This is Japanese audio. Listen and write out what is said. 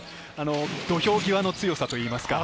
土俵際の強さといいますか。